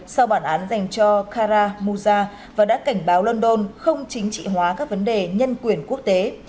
sau bản án dành cho kara moza và đã cảnh báo london không chính trị hóa các vấn đề nhân quyền quốc tế